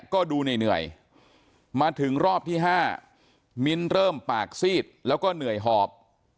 ก็ดูเหนื่อยมาถึงรอบที่๕มิ้นเริ่มปากซีดแล้วก็เหนื่อยหอบ